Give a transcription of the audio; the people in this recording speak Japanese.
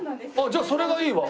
じゃあそれがいいわ。